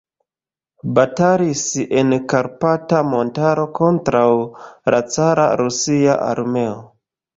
Batalis en Karpata montaro kontraŭ la cara rusia armeo.